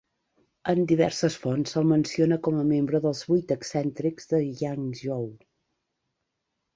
En diverses fonts se'l menciona com a membre dels Vuit Excèntrics de Yangzhou.